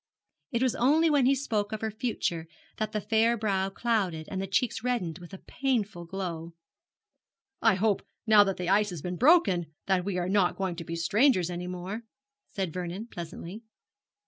It was only when he spoke of her future that the fair brow clouded, and the cheeks reddened with a painful glow. 'I hope, now that the ice has been broken, that we are not going to be strangers any more,' said Vernon, pleasantly.